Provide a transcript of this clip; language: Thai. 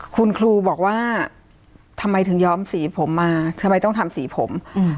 คุณครูบอกว่าทำไมถึงย้อมสีผมมาทำไมต้องทำสีผม